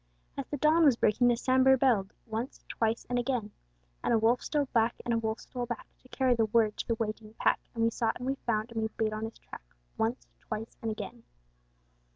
As the dawn was breaking the Sambhur belled Once, twice and again! And a wolf stole back, and a wolf stole back To carry the word to the waiting pack, And we sought and we found and we bayed on his track Once, twice and again!